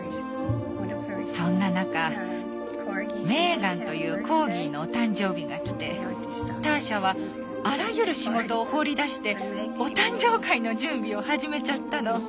そんな中メーガンというコーギーのお誕生日がきてターシャはあらゆる仕事を放り出してお誕生会の準備を始めちゃったの。